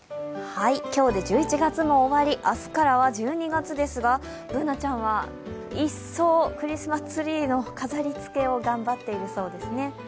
今日で１１月も終わり明日からは１２月ですがＢｏｏｎａちゃんは一層、クリスマスツリーの飾りつけを頑張っているそうですね。